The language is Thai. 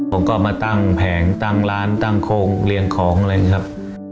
ผมก็มาตั้งแผงตั้งร้านตั้งโค้งเรียงของอะไรอย่างนี้ครับ